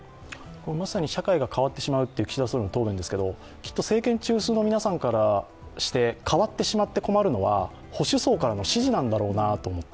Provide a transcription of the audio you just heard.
まさに社会が変わってしまうという岸田総理の答弁ですけれども、きっと政権中枢の皆さんからして変わってしまって困るのは保守層からの支持なんだろうなと思って。